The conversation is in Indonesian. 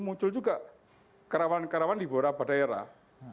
muncul juga kerawanan kerawanan di borabadaerah